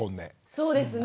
そうですね。